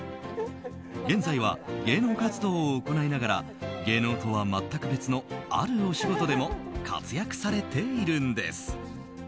現在は、芸能活動を行いながら芸能とは全く別のあるお仕事でも活躍されているんです。